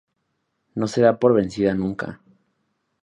No se da por vencido nunca.